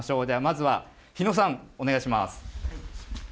では、まずはひのさん、お願いします。